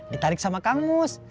ditarik sama kang mus